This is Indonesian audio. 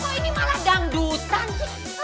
kok ini malah gangdutan sih